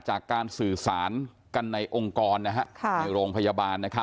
จากการสื่อสารกันในองค์กรในโรงพยาบาล